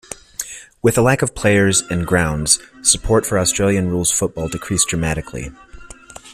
With a lack of players, and grounds, support for Australian rules football decreased dramatically.